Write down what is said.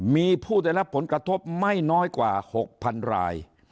มีผู้ได้รับผลกระทบไม่น้อยกว่า๖๐๐๐ราย